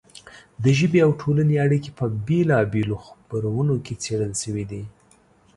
د ژبې او ټولنې اړیکې په بېلا بېلو خپرونو کې څېړل شوې دي.